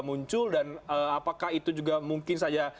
muncul dan apakah itu juga mungkin saja